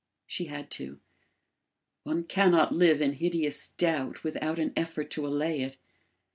She had to. One cannot live in hideous doubt, without an effort to allay it.